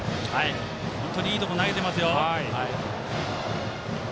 本当にいいところ投げてますよ。